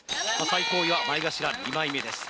最高位は前頭二枚目です